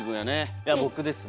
いや僕ですね。